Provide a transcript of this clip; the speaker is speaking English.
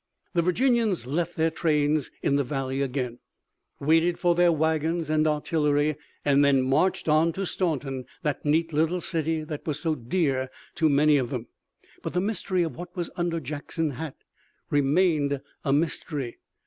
The Virginians left their trains in the valley again, waited for their wagons and artillery, and then marched on to Staunton, that neat little city that was so dear to so many of them. But the mystery of what was under Jackson's hat remained a mystery.